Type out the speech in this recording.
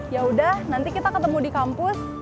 yaudah nanti kita ketemu di kampus